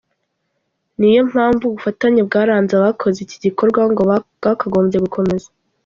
Ni yo mpamvu ubufatanye bwaranze abakoze iki gikorwa ngo bwakagombye gukomeza.